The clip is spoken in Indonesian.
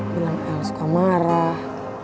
bilang el suka marah